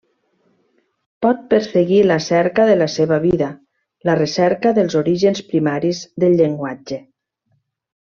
Pot perseguir la cerca de la seva vida, la recerca dels orígens primaris del llenguatge.